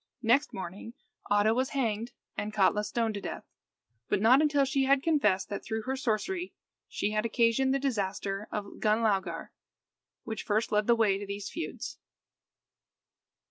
Next morning Oddo was hanged, and Katla stoned to death; but not until she had confessed that, through her sorcery, she had occasioned the disaster of Gunlaugar, which first led the way to these feuds.